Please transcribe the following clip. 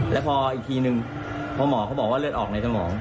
แล้วพออีกทีนึงพอหมอเขาบอกว่าเลือดออกในสมอง